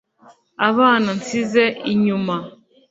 bana nsize inyuma,